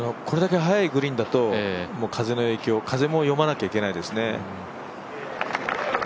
これだけ速いグリーンだと風も読まなきゃいけないですね。